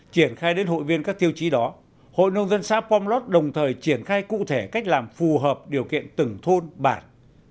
triển khai đến hội viên các tiêu chí đó hội nông dân xã pomlot đồng thời triển khai cụ thể cách làm phù hợp điều kiện từng thôn bản